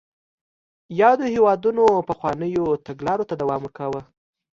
یادو هېوادونو پخوانیو تګلارو ته دوام ورکاوه.